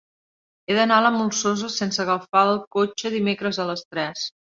He d'anar a la Molsosa sense agafar el cotxe dimecres a les tres.